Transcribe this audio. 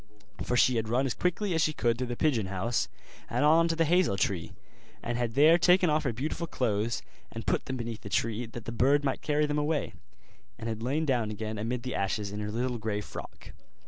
For she had run as quickly as she could through the pigeon house and on to the hazel tree, and had there taken off her beautiful clothes, and put them beneath the tree, that the bird might carry them away, and had lain down again amid the ashes in her little grey frock.